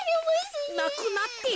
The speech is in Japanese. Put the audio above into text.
なくなって。